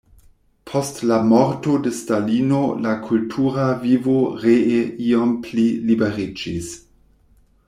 Post la morto de Stalino la kultura vivo ree iom pli liberiĝis.